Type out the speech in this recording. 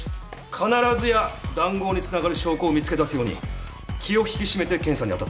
必ずや談合につながる証拠を見つけ出すように気を引き締めて検査に当たってくれ。